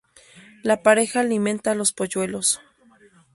La pareja alimenta a los polluelos.